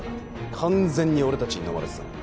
完全に俺たちにのまれてたよな。